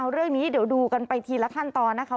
เรื่องนี้เดี๋ยวดูกันไปทีละขั้นตอนนะคะ